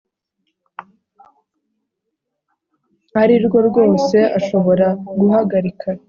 ari rwo rwose ashobora guhagarika